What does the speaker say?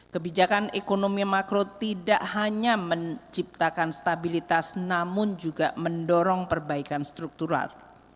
kebijakan ekonomi makro tidak hanya menciptakan stabilitas namun juga mendorong perbaikan struktural